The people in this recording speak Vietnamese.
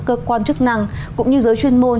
cơ quan chức năng cũng như giới chuyên môn